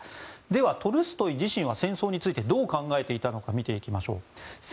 では、トルストイ自身は戦争についてどう考えていたのか見ていきましょう。